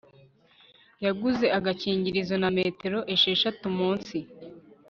yaguze agakingirizo na metero esheshatu munsi